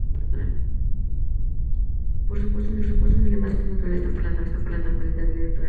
Por supuesto, un dilema de esta naturaleza no fue previsto por la normativa electoral.